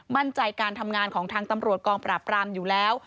มั่นใจการทำงานของทางตำรวจกองปราบรามอยู่แล้ว